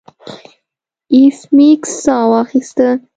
ایس میکس ساه واخیسته